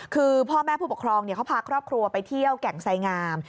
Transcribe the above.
คือพ่อแม่ผู้ปกครองเขาพาครอบครัวไปเที่ยวแก่งไสงาม